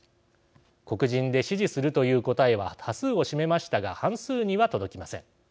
黒人で「支持する」という答えは多数を占めましたが半数には届きません。